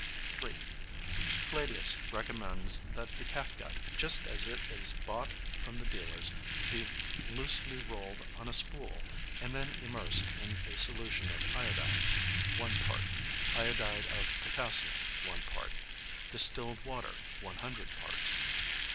(3) Cladius recommends that the catgut, just as it is bought from the dealers, be loosely rolled on a spool, and then immersed in a solution of iodine, 1 part; iodide of potassium, 1 part; distilled water, 100 parts.